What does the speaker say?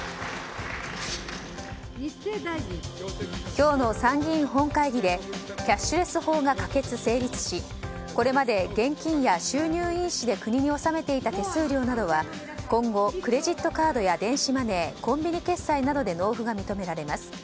今日の参議院本会議でキャッシュレス法が可決・成立しこれまで現金や収入印紙で国に納めていた手数料などは今後、クレジットカードや電子マネーコンビニ決済などで納付が認められます。